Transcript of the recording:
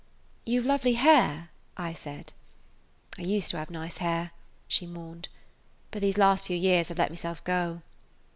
"You 've lovely hair," I said. [Page 154] "I used to have nice hair," she mourned, "but these last few years I 've let myself go."